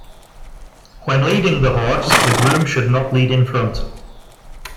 When leading the horse, the groom should not lead in front.